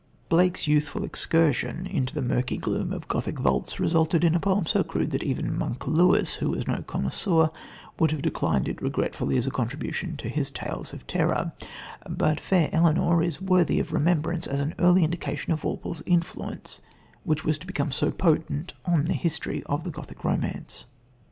Blake's youthful excursion into the murky gloom of Gothic vaults resulted in a poem so crude that even "Monk" Lewis, who was no connoisseur, would have declined it regretfully as a contribution to his Tales of Terror, but Fair Elenor is worthy of remembrance as an early indication of Walpole's influence, which was to become so potent on the history of Gothic romance.